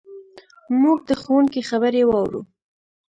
موږ د ښوونکي خبرې واورو.